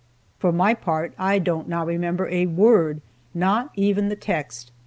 For my part, I don't now remember a word, not even the text.